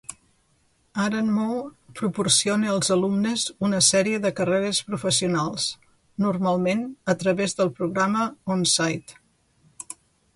Aranmore proporciona als alumnes una sèrie de carreres professionals, normalment a través del programa OnSIte.